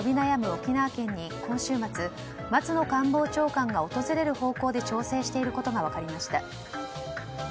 沖縄県に今週末、松野官房長官が訪れる方向で調整していることが分かりました。